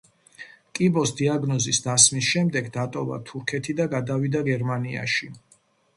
კიბოს დიაგნოზის დასმის შემდეგ, დატოვა თურქეთი და გადავიდა გერმანიაში.